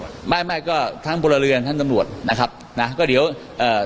ไม่ไม่ก็ทั้งพลเรือนทั้งตำรวจนะครับนะก็เดี๋ยวเอ่อ